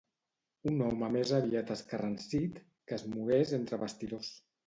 Un home més aviat escarransit, que és mogués entre bastidors.